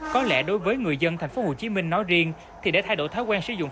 có lẽ đối với người dân thành phố hồ chí minh nói riêng thì để thay đổi thói quen sử dụng